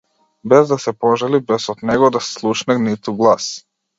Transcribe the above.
Без да се пожали, без од него да се слушне ниту глас.